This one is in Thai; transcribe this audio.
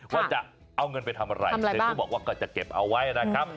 ว่าจะเอาเงินไปทำอะไรก็จะเก็บเอาไว้นะครับ